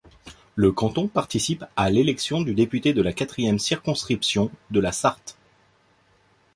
Le canton participe à l'élection du député de la quatrième circonscription de la Sarthe.